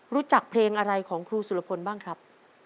รู้จักเพลงอะไรของครูสุรพลบ้างครับ